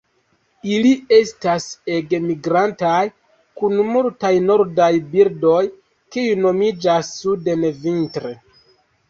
Ili estas ege migrantaj, kun multaj nordaj birdoj kiuj moviĝas suden vintre.